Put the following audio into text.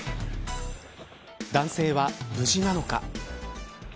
男性は無事なのか。